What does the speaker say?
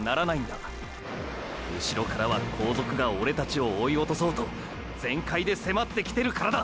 うしろからは“後続”がオレたちを追いおとそうと全開で迫ってきてるからだ！！